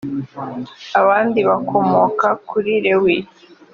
abandi bakomoka kuri lewi